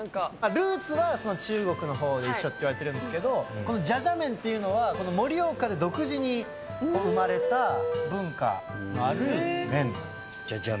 ルーツは中国のほうで一緒って言われてるんけれども、このじゃじゃ麺っていうのは、この盛岡で独自に生まれた文化のある麺です。